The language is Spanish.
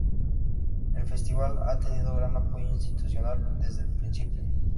El festival ha tenido gran apoyo institucional desde el principio.